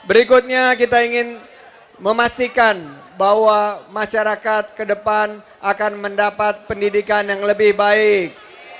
berikutnya kita ingin memastikan bahwa masyarakat ke depan akan mendapat pendidikan yang lebih baik